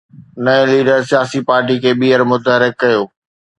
نئين ليڊر سياسي پارٽيءَ کي ٻيهر متحرڪ ڪيو